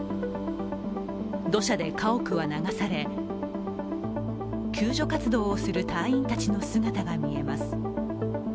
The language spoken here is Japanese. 土砂で家屋は流され、救助活動をする隊員たちの姿が見えます。